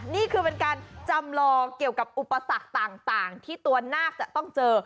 นี่คือเป็นการจำลองเกี่ยวกับอุปสรรคต่างที่ตัวนาคจะต้องเจอ